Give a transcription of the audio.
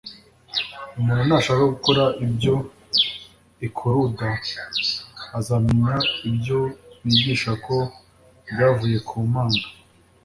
« Umuntu nashaka gukora ibyo Ikuruda, azamenya ibyo nigisha ko byavuye ku Mana ».